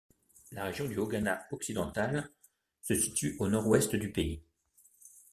La Région du Haut Ghana occidental se situe au nord-ouest du pays.